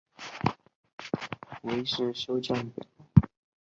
被当时的人讥笑为世修降表。